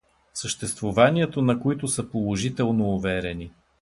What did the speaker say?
В съществуванието на които са положително уверени.